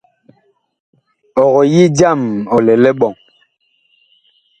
Ɔg yi jam ɔ lɛ liɓɔŋ.